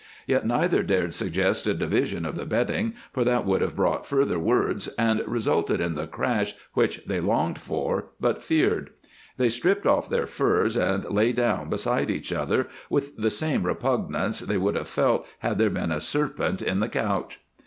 Yet neither dared suggest a division of the bedding, for that would have brought further words and resulted in the crash which they longed for, but feared. They stripped off their furs, and lay down beside each other with the same repugnance they would have felt had there been a serpent in the couch.